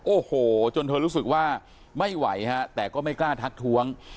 โอ้โหจนเธอรู้สึกว่าไม่ไหวฮะแต่ก็ไม่กล้าทักท้วง